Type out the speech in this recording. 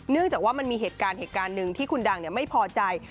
เนื่องจากว่ามันมีเหตุการณ์หนึ่งที่คุณดังไม่พอใจ